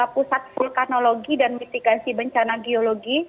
pusat vulkanologi dan mitigasi bencana geologi